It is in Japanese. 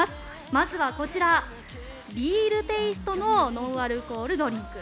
まずはこちら、ビールテイストのノンアルコールドリンク。